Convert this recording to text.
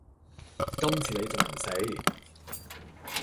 今次你仲唔死